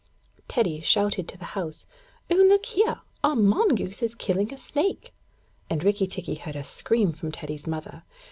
Teddy shouted to the house: 'Oh, look here! Our mongoose is killing a snake'; and Rikki tikki heard a scream from Teddy's mother.